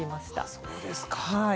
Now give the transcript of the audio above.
そうですか。